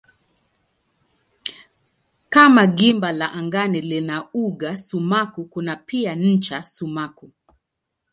Kama gimba la angani lina uga sumaku kuna pia ncha sumaku.